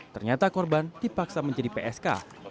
ternyata korban dipaksa menjadi psk